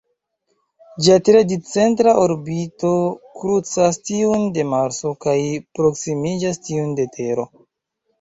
Ĝia tre discentra orbito krucas tiun de Marso, kaj proksimiĝas tiun de Tero.